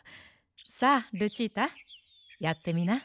さあルチータやってみな。